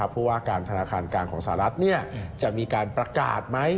ผู้ว่าการธนาคารกลางของสหรัฐจะมีการประกาศไหม